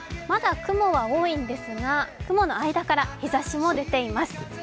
まだ雲は多いんですが、雲の間から日ざしも出ています。